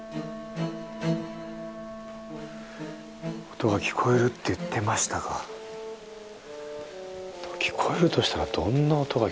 音が聞こえるって言ってましたが聞こえるとしたらどんな音が聞こえるんだろう。